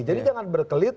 jadi jangan berkelit